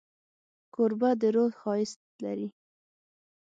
کوربه د روح ښایست لري.